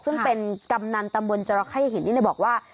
ซึ่งเป็นกำนันตมวลจรักษณ์ขยะเห็นนี่บอกว่า